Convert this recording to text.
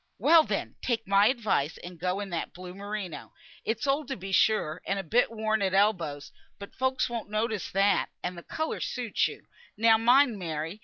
"Well, then! take my advice, and go in that blue merino. It's old to be sure, and a bit worn at elbows, but folk won't notice that, and th' colour suits you. Now mind, Mary.